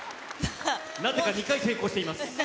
なぜか２回成功しています。